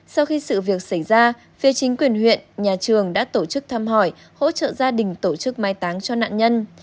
sau khi sự việc xảy ra phía chính quyền huyện nhà trường đã tổ chức thăm hỏi hỗ trợ gia đình tổ chức mai táng cho nạn nhân